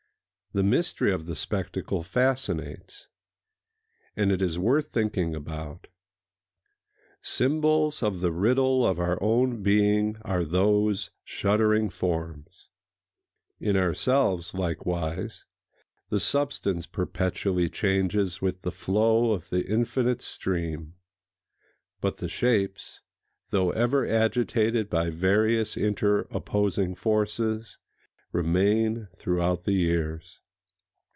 The mystery of the spectacle fascinates; and it is worth thinking about. Symbols of the riddle of our own being are those shuddering forms. In ourselves likewise the substance perpetually changes with the flow of the Infinite Stream; but the shapes, though ever agitated by various inter opposing forces, remain throughout the years.